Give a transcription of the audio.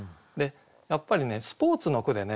やっぱりねスポーツの句でね